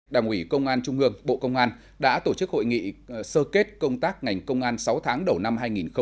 đảng ủy công an trung ương bộ công an đã tổ chức hội nghị sơ kết công tác ngành công an sáu tháng đầu năm hai nghìn hai mươi